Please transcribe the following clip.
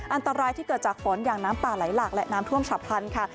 อันตรายที่เกิดจากฝนอย่างน้ำป่าไหลหลากและน้ำท่วมฉับพันธุ์ค่ะ